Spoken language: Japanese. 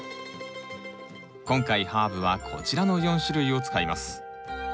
今回ハーブはこちらの４種類を使います。